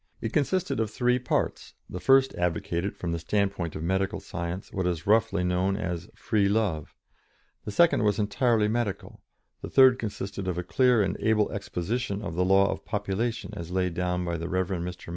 It consisted of three parts the first advocated, from the standpoint of medical science, what is roughly known as "Free Love"; the second was entirely medical; the third consisted of a clear and able exposition of the law of population as laid down by the Rev. Mr.